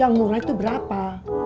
yang murah itu berapa